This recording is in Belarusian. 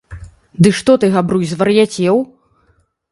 - Ды што ты, Габрусь, звар'яцеў?